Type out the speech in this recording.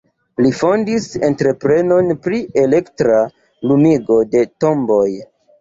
Li fondis entreprenon pri elektra lumigo de tomboj.